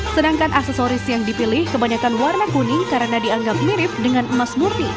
sedangkan aksesoris yang dipilih kebanyakan warna kuning karena dianggap mirip dengan emas murni